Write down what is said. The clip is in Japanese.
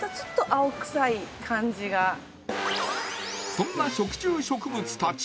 そんな食虫植物たち。